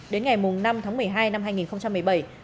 đến ngày năm tháng một mươi hai năm hai nghìn một mươi bảy